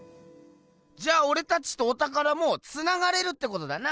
じゃあオレたちとおたからもつながれるってことだな。